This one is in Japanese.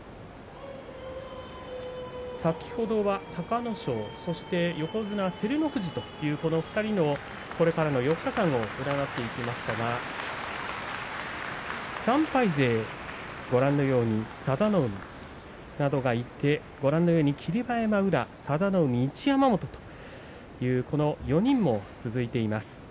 先ほどは隆の勝そして横綱照ノ富士というこの２人のこれからの４日間を占っていきましたが３敗勢、佐田の海などがいて霧馬山、阿炎、佐田の海、一山本という４人も続いています。